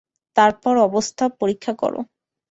তারপর অবস্থা পরীক্ষা কর।